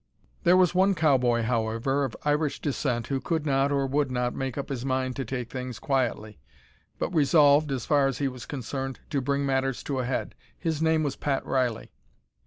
There was one cow boy, however, of Irish descent, who could not or would not make up his mind to take things quietly, but resolved, as far as he was concerned, to bring matters to a head. His name was Pat Reilly.